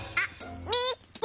みっけ！